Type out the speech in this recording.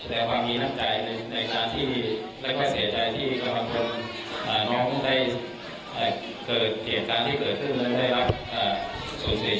แสดงความมีนั่งใจในสถานที่และก็เสียใจที่กำลังงานน้องได้เกิดเหตุการณ์ที่เกิดขึ้น